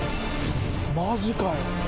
マジかよ。